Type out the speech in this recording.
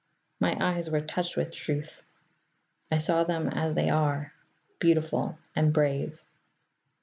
My eyes were touched with Truth: I saw them as they are, beautiful and brave.